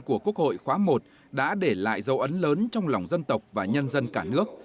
của quốc hội khóa i đã để lại dấu ấn lớn trong lòng dân tộc và nhân dân cả nước